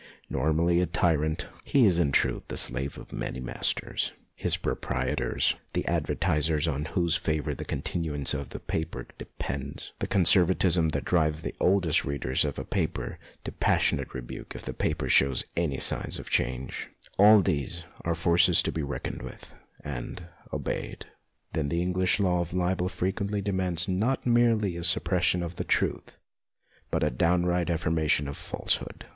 Nominally a tyrant, he is in truth the slave of many masters : his proprietors, the advertisers on whose favour the continuance of the paper depends, the conservatism that drives the oldest readers of a paper to passionate rebuke if the paper shows any signs of change, all these are forces to be reckoned with and obeyed. Then the English law of libel frequently 158 MONOLOGUES demands not merely a suppression of the truth, but a downright affirmation of false hood.